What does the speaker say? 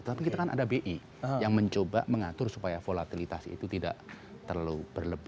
tapi kita kan ada bi yang mencoba mengatur supaya volatilitas itu tidak terlalu berlebihan